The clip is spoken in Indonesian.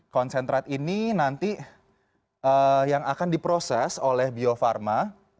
konsentrat ini nanti yang akan diproses oleh bio farma